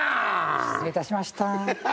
失礼いたしました。